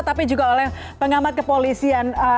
tapi juga oleh pengamat kepolisian